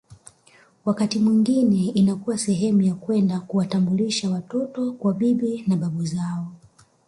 Wakati mwingine inakuwa sehemu ya kwenda kuwatambulisha watoto kwa bibi na babu zao